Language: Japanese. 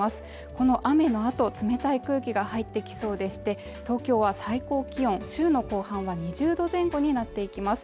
この雨のあと冷たい空気が入ってきそうでして東京は最高気温週の後半は２０度前後になっていきます